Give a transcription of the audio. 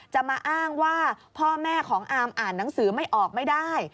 จะมาอ้างว่าพ่อแม่ของอาร์มอ่านหนังสือไม่ออกไม่ได้